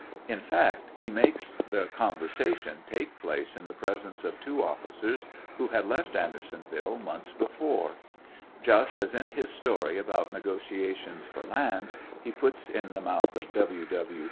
In fact he makes the conversation take place in the presence of two officers who hai left Andersonville months before ; just as in his story about negotiations for land he puts in the mouth of W. W.